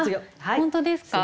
本当ですか？